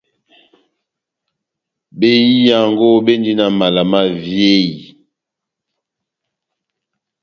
Behiyaango béndini na mala má véyi,